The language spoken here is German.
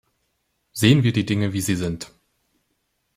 Sehen wir die Dinge, wie sie sind.